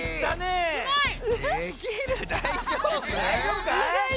だいじょうぶかい？